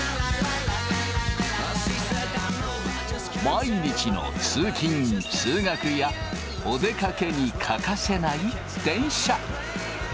毎日の通勤・通学やお出かけに欠かせない電車。